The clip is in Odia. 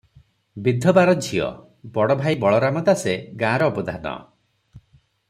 ବିଧବାର ଝିଅ, ବଡ଼ଭାଇ ବଳରାମ ଦାସେ ଗାଁର ଅବଧାନ ।